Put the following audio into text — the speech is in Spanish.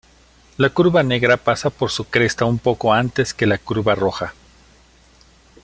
La curva negra pasa por su cresta un poco antes que la curva roja.